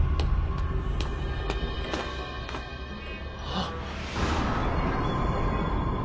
あっ。